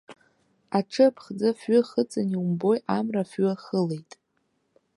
Аҽы аԥхӡы афҩы ахыҵын, иумбои, амра афҩы ахылеит.